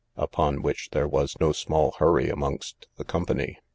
upon which there was no small hurry amongst the company.